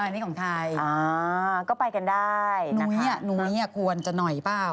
อันนี้ของใครอ๋อก็ไปกันได้นะคะหนูเหี้ยควรจะหน่อยเปล่า